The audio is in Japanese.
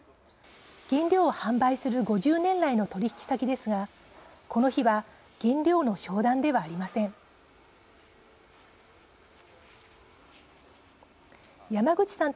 原料を販売する５０年来の取引先ですがこの日は原料の商談ではありません。